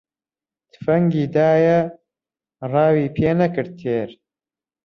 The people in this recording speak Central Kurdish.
تفەنگی دایە، ڕاوی پێ نەکرد تێر